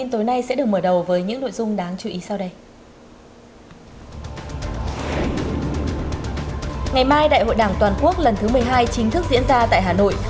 ngày mai đại hội đảng toàn quốc lần thứ một mươi hai chính thức diễn ra tại hà nội